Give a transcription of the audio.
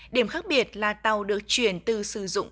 điểm khác biệt là tàu được chuyển từ sử dụng